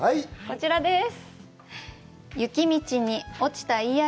こちらです。